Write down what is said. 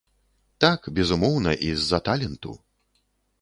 Так, безумоўна, і з-за таленту.